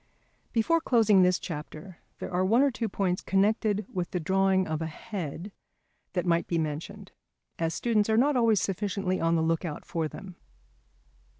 Photo Neurdein] Before closing this chapter there are one or two points connected with the drawing of a head that might be mentioned, as students are not always sufficiently on the look out for them.